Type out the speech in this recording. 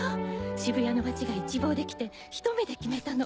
渋谷の街が一望できてひと目で決めたの。